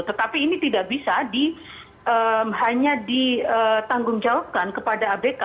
tetapi ini tidak bisa hanya ditanggungjawabkan kepada abk